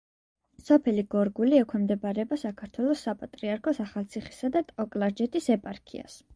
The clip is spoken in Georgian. სოფელი გორგული ექვემდებარება საქართველოს საპატრიარქოს ახალციხისა და ტაო-კლარჯეთის ეპარქიას.